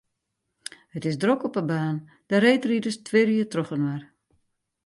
It is drok op 'e baan, de reedriders twirje trochinoar.